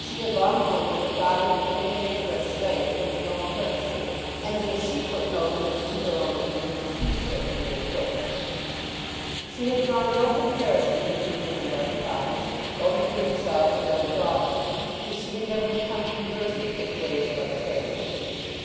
She had long known that her father would fain make her a slave for his own purposes, and that if she put no limits to her own obedience he certainly would put none. She had drawn no comparison between him and other fathers, or between herself and other daughters, because she had never become conversant with the ways of other families.